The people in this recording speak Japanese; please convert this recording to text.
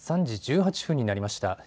３時１８分になりました。